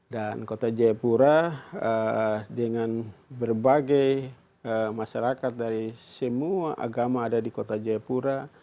dan kota jayapura dengan berbagai masyarakat dari semua agama ada di kota jayapura